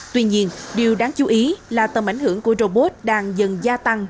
tuy nhiên điều đáng chú ý là tầm ảnh hưởng của robot đang dần gia tăng